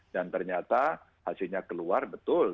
dan ternyata hasilnya keluar betul